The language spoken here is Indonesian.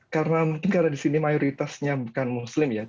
karena mungkin karena di sini mayoritasnya bukan muslim ya